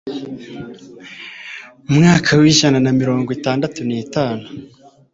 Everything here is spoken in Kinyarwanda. mu mwaka w'ijana na mirongo itandatu n'itanu